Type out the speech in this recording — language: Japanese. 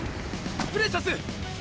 プレシャス！